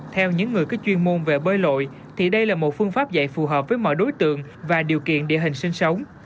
theo những người có chuyên môn về bơi lội thì đây là một phương pháp dạy phù hợp với mọi đối tượng và điều kiện địa hình sinh sống